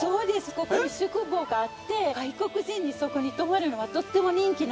ここに宿坊があって外国人にそこに泊まるのはとっても人気なんですよ。